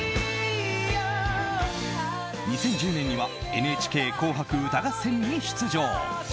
２０１０年には「ＮＨＫ紅白歌合戦」に出場。